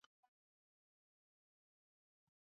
wapoteza wazazi wao kwa njia moja ama nyingine